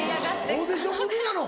オーディション組なの？